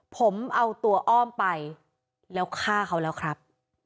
ผมเอาตัวอ้อมไปแล้วฆ่าเขาแล้วครับ